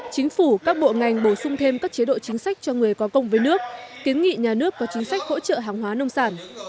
chính phủ các bộ ngành bổ sung thêm các chế độ chính sách cho người có công với nước kiến nghị nhà nước có chính sách hỗ trợ hàng hóa nông sản